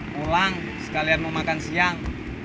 pulang sekalian mau makan siang